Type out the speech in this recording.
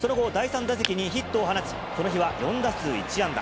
その後、第３打席にヒットを放ち、この日は４打数１安打。